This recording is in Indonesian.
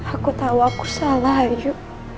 aku tahu aku salah yuk